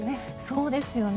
そうですよね。